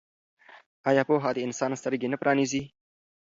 آیا پوهه د انسان سترګې نه پرانیزي؟